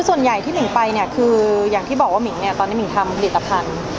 ส่วนใหญ่ที่มีไปเนี่ยคืออย่างที่บอกว่าตอนนี้มีทำผลิตภัณฑ์